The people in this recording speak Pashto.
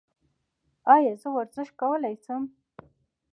ایا زه ورزش کولی شم؟